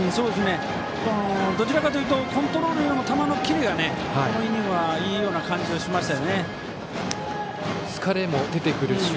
どちらかというとコントロールよりも球のキレが、このイニングはいいような感じがしました。